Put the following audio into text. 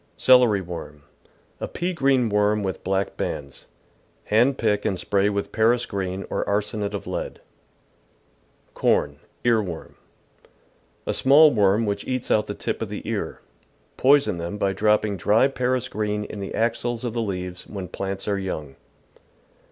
Celery Worm. — A i)ea green worm with black bands. Hand pick and spray with Paris green or arsenate of lead. Corn. — Ear^worm. — A small worm which eats out the tip of the ear. Poison them by dropping dry Paris green in the axils of the leaves when j^lants are young.